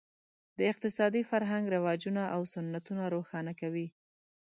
د اقتصادي فرهنګ رواجونه او سنتونه روښانه کوي.